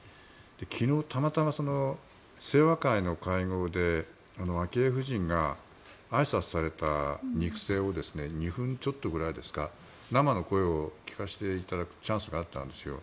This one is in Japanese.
昨日、たまたま清和会の会合で昭恵夫人があいさつされた肉声を２分ちょっとぐらいですか生の声を聞かせていただくチャンスがあったんですよ。